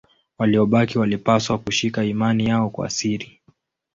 Waliobaki walipaswa kushika imani yao kwa siri.